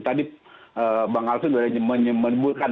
jadi tadi bang alsun sudah menyebutkan